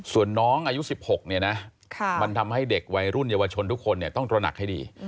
ส่วนน้องอายุ๑๖เนี่ยนะมันทำให้เด็กวัยรุ่นเยาวชนทุกคนต้องตระหนักให้ดี